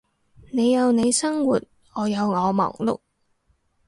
你有你生活，我有我忙碌